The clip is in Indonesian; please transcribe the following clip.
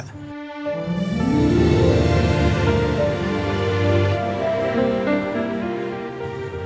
kamu ngerti ra